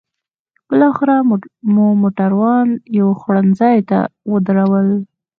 بالاخره مو موټران یو خوړنځای ته ودرول.